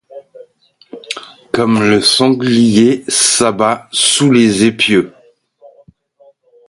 Comme le sanglier s’abat sous les épieux.